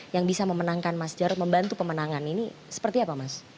yang bisa memenangkan mas jarod membantu pemenangan ini seperti apa mas